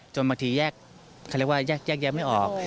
จนบางทีแยกใครเรียกว่าแยกไม่ออก